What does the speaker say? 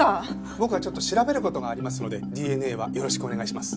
僕はちょっと調べる事がありますのでＤＮＡはよろしくお願いします。